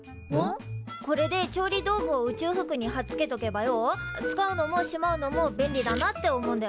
これで調理道具を宇宙服にはっつけとけばよ使うのもしまうのも便利だなって思うんだよな。